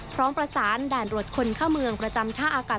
พร้อมประสานด่านตรวจคนเข้าเมืองประจำท่าอากาศ